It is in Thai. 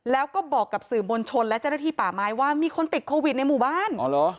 แล้วก็บอกกับสื่อมวลชนและเจ้าหน้าที่ป่าไม้ว่ามีคนติดโควิดในหมู่บ้านอ๋อเหรอ